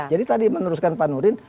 jadi tadi meneruskan pak nurin